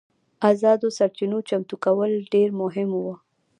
ازادو رسنیو چمتو کول ډېر مهم وو.